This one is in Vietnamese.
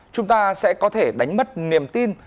chúng ta sẽ có thể đánh mất niềm tin